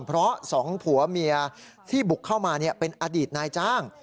เพราะสองผัวเมียที่บุกเข้ามาเป็นอดีตนายจ้าง